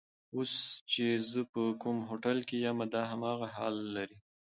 اوس چې زه په کوم هوټل کې یم دا هم همدغه حال لري.